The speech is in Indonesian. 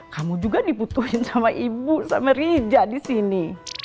kamu juga dibutuhin sama ibu sama ridha di sini